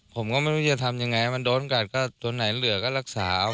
ผมก็ไม่รู้จะทำยังไงมันโดนกัดก็ตัวไหนเหลือก็รักษา